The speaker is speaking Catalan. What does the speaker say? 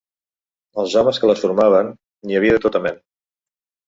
Els homes que les formaven, n'hi havia de tota mena